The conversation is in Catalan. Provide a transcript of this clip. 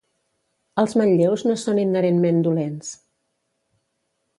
Els manlleus no són inherentment dolents.